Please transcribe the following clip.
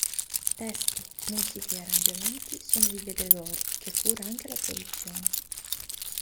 Testi, musiche e arrangiamenti sono di De Gregori, che cura anche la produzione.